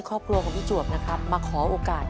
พี่จวบของพี่จวบนะครับมาขอโอกาส